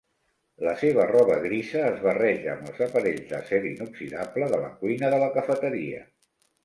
La seva roba grisa es barreja amb els aparells d'acer inoxidable de la cuina de la cafeteria.